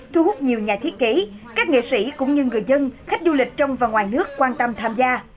thu hút nhiều nhà thiết kế các nghệ sĩ cũng như người dân khách du lịch trong và ngoài nước quan tâm tham gia